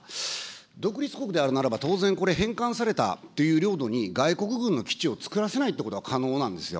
独立国であるならば、当然これ、返還されたという領土に、外国軍の基地を作らせないということは可能なんですよ。